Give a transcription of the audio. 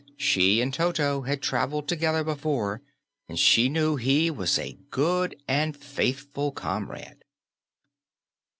She and Toto had traveled together before, and she knew he was a good and faithful comrade.